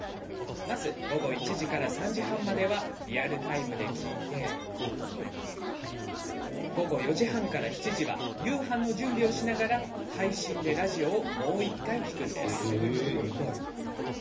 まず、午後１時から３時半まではリアルタイムで聞き午後４時半から７時は夕飯の準備をしながら配信でラジオをもう１回聞きます。